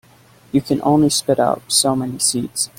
You can only spit out so many seeds.